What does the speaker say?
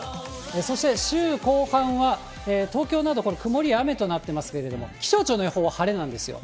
そして、週後半は、東京など、これ、曇りや雨となっていますけれども、気象庁の予報は晴れなんですよ。